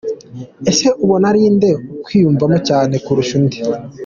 Ese ubona ari inde ukwiyumvamo cyane kurusha undi.